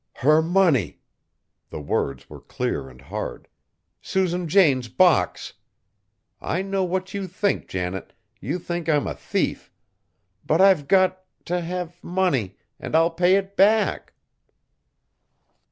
"Her money!" The words were clear and hard. "Susan Jane's box! I know what you think, Janet, you think I'm a thief! But I've got to have money, an' I'll pay it back!"